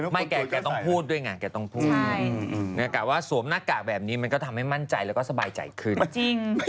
หรือว่าเขาใส่ให้มีความรู้สึกเหมือนกัน